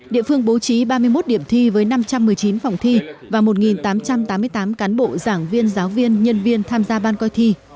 địa phương bố trí ba mươi một điểm thi với năm trăm một mươi chín phòng thi và một tám trăm tám mươi tám cán bộ giảng viên giáo viên nhân viên tham gia ban coi thi